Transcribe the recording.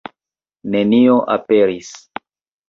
Nenio aperis.